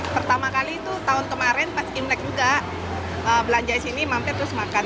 pertama kali itu tahun kemarin pas imlek juga belanja di sini mampir terus makan